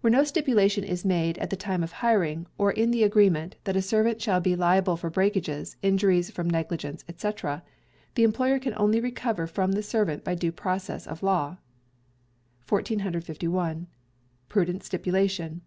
When no Stipulation is made at the time of the hiring, or in the agreement, that a servant shall be liable for breakages, injuries from negligence, &c., the employer can only recover from the servant by due process of law. 1451. Prudent Stipulation.